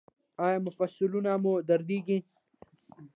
ایا مفصلونه مو دردیږي؟